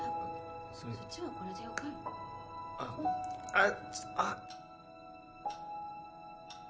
そっちはこれでよかよあっあっ☎